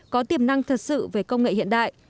có tiềm năng thật sự về công nghệ hiện đại